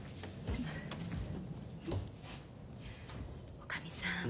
おかみさん